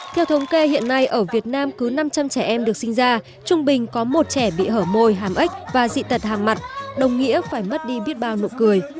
theo thống kê hiện nay ở việt nam cứ năm trăm linh trẻ em được sinh ra trung bình có một trẻ bị hở môi hàm ếch và dị tật hàm mặt đồng nghĩa phải mất đi biết bao nụ cười